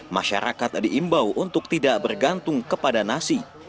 masyarakat diimbau untuk tidak bergantung kepada nasi